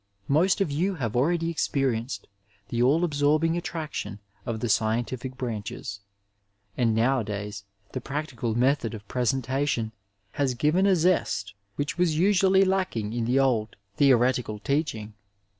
Most of you have already experienced the all absorbing attraction ci Hie scientific branches, and nowadays the practical method of presentation has given a zest which was usually lacking in the old theoretical teaching.